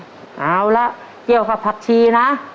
เอาละเกี่ยวกับผักชีนะ